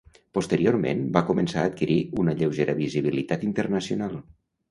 Posteriorment va començar a adquirir una lleugera visibilitat internacional.